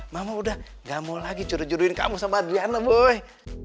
mama udah gak mau lagi jodoh jodohin kamu sama adriana boy